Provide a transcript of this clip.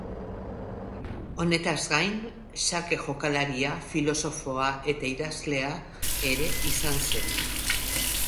Honetaz gain xake jokalaria, filosofoa eta idazlea ere izan zen.